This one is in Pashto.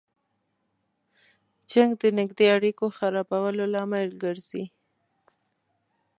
جنګ د نږدې اړیکو خرابولو لامل ګرځي.